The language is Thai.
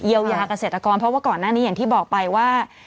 ยาเกษตรกรเพราะว่าก่อนหน้านี้อย่างที่บอกไปว่า